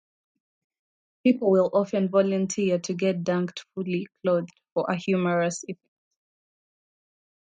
People will often volunteer to get dunked fully clothed for a humorous effect.